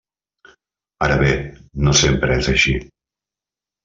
Ara bé, no sempre és així.